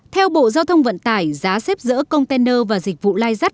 theo bộ giao thông vận tải giá xếp rỡ container và dịch vụ lai rắt